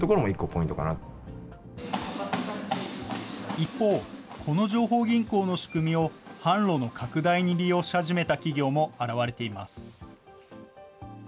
一方、この情報銀行の仕組みを、販路の拡大に利用し始めた企業も現れています。